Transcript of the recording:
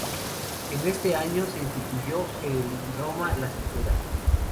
En este año, se instituyó en Roma la censura.